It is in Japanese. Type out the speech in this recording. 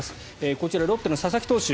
こちら、ロッテの佐々木投手。